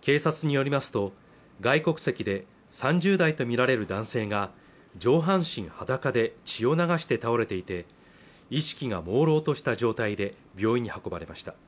警察によりますと外国籍で３０代とみられる男性が上半身裸で血を流して倒れていて意識がもうろうとした状態で病院に運ばれました